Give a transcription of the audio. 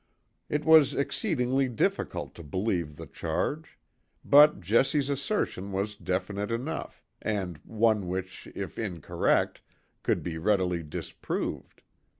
It was exceedingly difficult to believe the charge; but Jessie's assertion was definite enough, and one which, if incorrect, could be readily disproved.